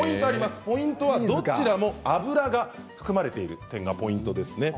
ポイントはどちらも油が含まれているというのがポイントです。